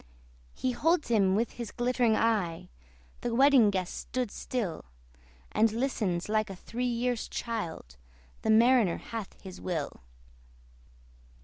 He holds him with his glittering eye The Wedding Guest stood still, And listens like a three years child: The Mariner hath his will.